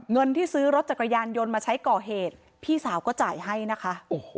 เงินที่ซื้อรถจักรยานยนต์มาใช้ก่อเหตุพี่สาวก็จ่ายให้นะคะ